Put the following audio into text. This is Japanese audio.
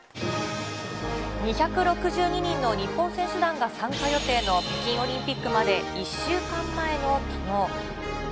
２６２人の日本選手団が参加予定の北京オリンピックまで１週間前のきのう。